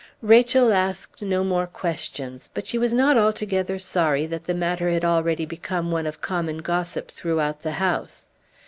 Rachel asked no more questions; but she was not altogether sorry that the matter had already become one of common gossip throughout the house.